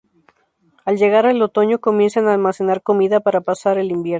Al llegar el otoño comienzan a almacenar comida para pasar el invierno.